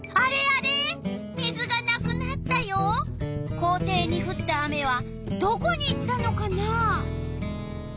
校庭にふった雨はどこに行ったのかな？